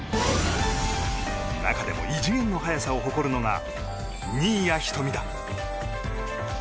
中でも異次元の速さを誇るのが新谷仁美だ。